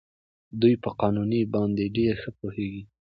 دوی په قانون باندې ډېر ښه پوهېږي.